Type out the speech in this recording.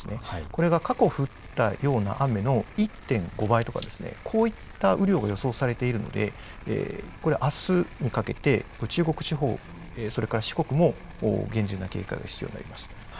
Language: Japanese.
これが過去降ったような雨の１．５倍とか、こういった雨量が予想されているので、これ、あすにかけて、中国地方、それから四国も、厳重な警戒が必要になります。